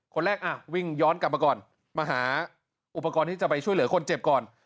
คนแรกอ่ะวิ่งย้อนกลับมาก่อนมาหาอุปกรณ์ที่จะไปช่วยเหลือคนเจ็บก่อน